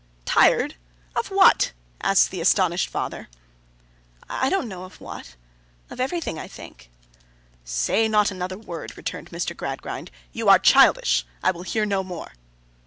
'Tired? Of what?' asked the astonished father. 'I don't know of what—of everything, I think.' 'Say not another word,' returned Mr. Gradgrind. 'You are childish. I will hear no more.